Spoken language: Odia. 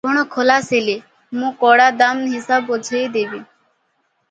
ଆପଣ ଖଲାସ ହେଲେ ମୁଁ କଡ଼ା ଦାମ ହିସାବ ବୁଝାଇଦେବି ।"